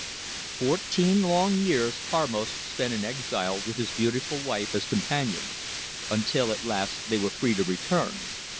Fourteen long years Karmos spent in exile with his beautiful wife as companion, until at last they were free to return.